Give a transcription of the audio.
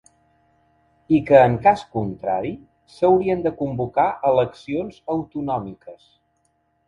I que en cas contrari, s’haurien de convocar eleccions ‘autonòmiques’.